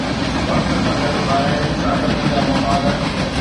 وقت سان گڏ ٻاهرين طاقتن جا مفاد